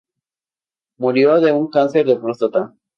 Murió de un cáncer de próstata.